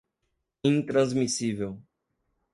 intransmissível